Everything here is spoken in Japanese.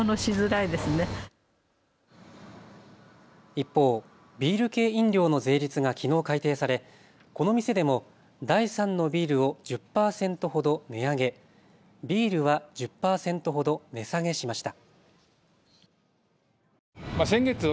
一方、ビール系飲料の税率がきのう改定されこの店でも第３のビールを１０％ほど値上げ、ビールは１０％ほど値下げしました。